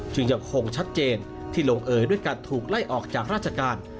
ยังคงชัดเจนที่ลงเอยด้วยการถูกไล่ออกจากราชการ